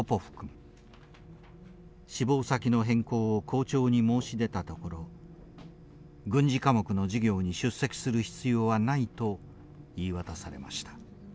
志望先の変更を校長に申し出たところ軍事科目の授業に出席する必要はないと言い渡されました。